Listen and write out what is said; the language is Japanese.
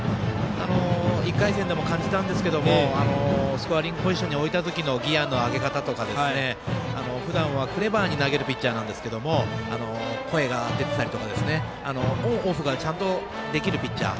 １回戦でも感じたんですけどスコアリングポジションに置いた時のギヤの上げ方とかふだんはクレバーに投げるピッチャーなんですけれども声が出てたりとかオンオフがちゃんとできるピッチャー。